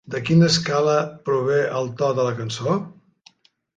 De quina escala prové el to de la cançó?